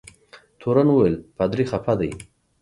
تورن وویل پادري خفه دی.